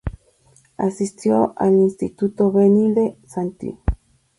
Asistió al instituto Benilde-St.